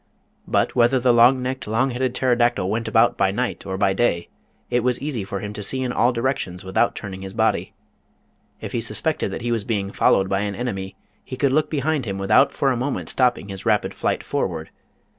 But whether the long necked, long headed Pterodactyl went about by night or by day, it was easy for him to see in all directions without turning his bqdy. If he suspected that he was being followed by an enemy, he could look behind him without THE FLYING REPTILES 81 for a moment stopping his rapid flight forward.